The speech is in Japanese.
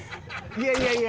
いやいやいや。